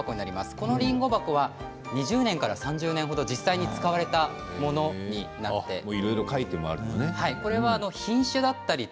このりんご箱は２０年から３０年ほど実際に使われたものになっています。